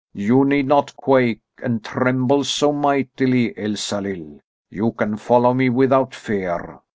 "You need not quake and tremble so mightily, Elsalill. You can follow me without fear.